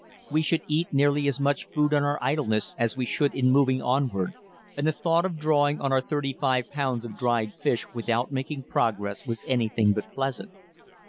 We should eat nearly as much food in our idleness as we should in moving onward, and the thought of drawing on our thirty five pounds of dried fish without making progress was anything but pleasant.